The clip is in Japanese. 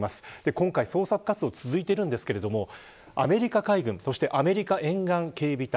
今回、捜索活動が続いていますがアメリカ海軍、そしてアメリカ沿岸警備隊